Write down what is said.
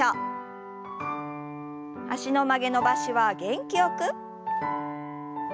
脚の曲げ伸ばしは元気よく。